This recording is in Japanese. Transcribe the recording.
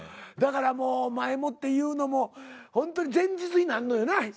だからもう前もって言うのもほんとに前日になんのよな。